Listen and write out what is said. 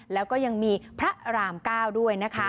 แล้วก็ยังมีพระราม๙ด้วยนะคะ